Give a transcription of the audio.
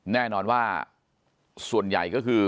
แน่นอนว่าส่วนใหญ่ก็คือ